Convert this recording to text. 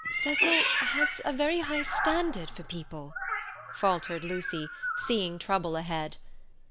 "Cecil has a very high standard for people," faltered Lucy, seeing trouble ahead.